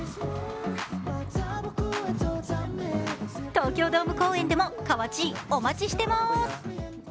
東京ドーム公演でもかわちぃ、お待ちしてます。